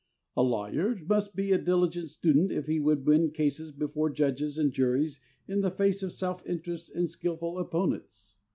A lawyer must be a diligent student if he would win cases before judges and juries in the face of self interest and skillful oppo nents.